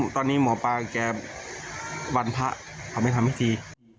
เป็นยังมองปาแกบดวันพระทำให้กันไปที